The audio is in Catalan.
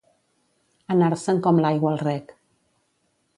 Anar-se'n com l'aigua al rec.